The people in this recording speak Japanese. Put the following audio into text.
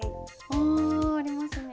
あありますねえ。